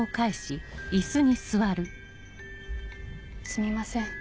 すみません